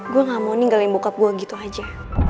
gue gak mau ninggalin bokap gue gitu aja